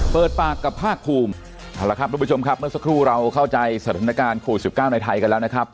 เปิดปากกับภาคภูมิเอาละครับทุกผู้ชมครับเมื่อสักครู่เราเข้าใจสถานการณ์โควิด๑๙ในไทยกันแล้วนะครับ